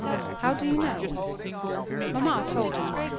"How do you know?" "Mamma told me.